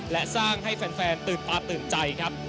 และสร้างให้แฟนตื่นตาตื่นใจครับ